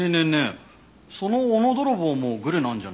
その斧泥棒もグルなんじゃない？